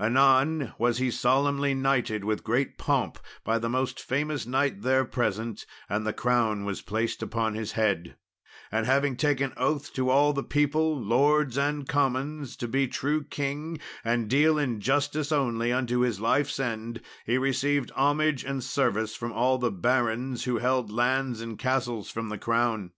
Anon was he solemnly knighted with great pomp by the most famous knight there present, and the crown was placed upon his head; and, having taken oath to all the people, lords and commons, to be true king and deal in justice only unto his life's end, he received homage and service from all the barons who held lands and castles from the crown.